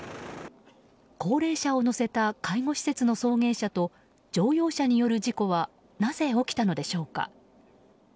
高齢者を乗せた介護施設の送迎車と乗用車による事故はなぜ起きたのでしょうか。